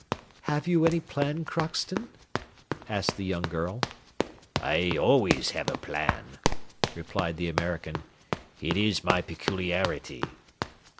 "Have you any plan, Crockston?" asked the young girl. "I always have a plan," replied the American: "it is my peculiarity."